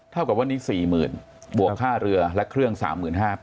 เท่ากับวันนี้สี่หมื่นบวกค่าเรือและเครื่องสามหมื่นห้า